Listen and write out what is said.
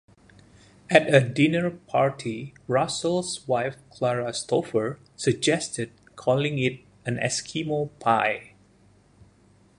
At a dinner party, Russell's wife Clara Stover suggested calling it an Eskimo Pie.